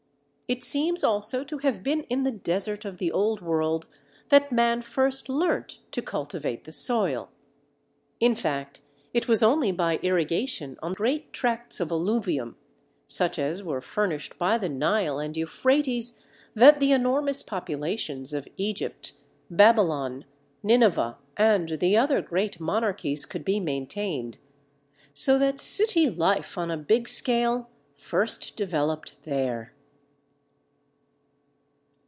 It seems also to have been in the desert of the old world that man first learnt to cultivate the soil. In fact, it was only by irrigation on great tracts of alluvium, such as were furnished by the Nile and Euphrates, that the enormous populations of Egypt, Babylon, Nineveh, and the other great monarchies could be maintained. So that city life on a big scale first developed there.